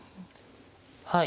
はい。